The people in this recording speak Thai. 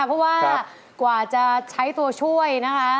เพราะว่ากว่าจะใช้ตัวช่วยนะคะ